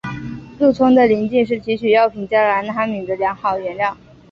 鹿葱的鳞茎是提取药品加兰他敏的良好原料。